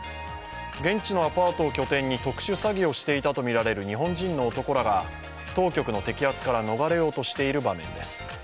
現地のアパートを拠点に特殊詐欺をしていたとみられる日本人の男らが当局の摘発から逃れようとしている場面です。